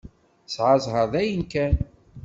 Nesεa ẓẓher dayen kan.